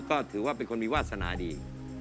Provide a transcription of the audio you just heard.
ก็ถือว่าเป็นคนมีวาสนาดี